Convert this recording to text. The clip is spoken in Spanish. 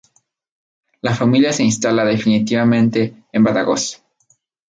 La familia se instala definitivamente en Badajoz.